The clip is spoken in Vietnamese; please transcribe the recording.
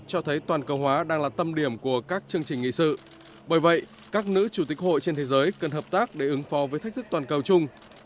cho thấy toàn cầu hóa đang là tâm điểm của các chương trình nghị sự bởi vậy các nữ chủ tịch hội trên thế giới cần hợp tác để ứng phó với thách thức toàn cầu chung